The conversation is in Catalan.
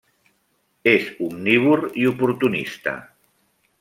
És omnívor i oportunista.